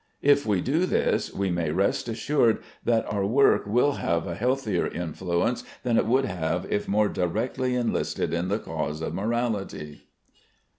If we do this, we may rest assured that our work will have a healthier influence than it would have if more directly enlisted in the cause of morality.